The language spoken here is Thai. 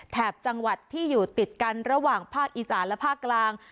แถบจังหวัดที่อยู่ติดกันระหว่างภาคอีสานและภาคกลาง